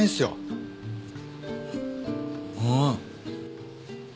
うん。